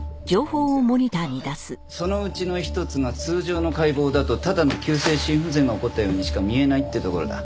そのうちの一つが通常の解剖だとただの急性心不全が起こったようにしか見えないってところだ。